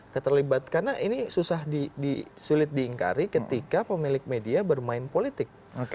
karena ini susah disulit diingkari ketika pemilik media bermain politik